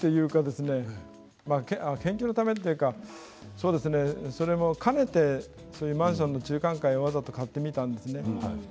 研究のためというかそれも兼ねてマンションの中間階をわざと買ってみたんですね。